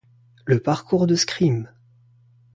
Le parcours de Scream!